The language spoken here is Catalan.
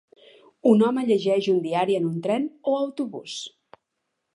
Un home llegeix un diari en un tren o autobús.